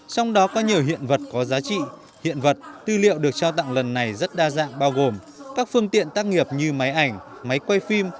trong đó có nhiều hiện vật có giá trị hiện vật tư liệu được trao tặng lần này rất đa dạng bao gồm các phương tiện tác nghiệp như máy ảnh máy quay phim